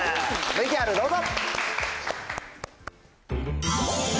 ＶＴＲどうぞ。